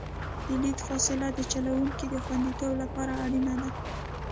د لید فاصله د چلوونکي د خوندیتوب لپاره اړینه ده